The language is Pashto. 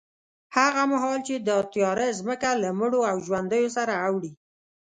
هغه مهال چې دا تیاره ځمکه له مړو او ژوندیو سره اوړي،